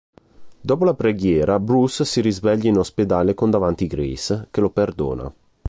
Dopo la preghiera Bruce si risveglia in ospedale con davanti Grace, che lo perdona.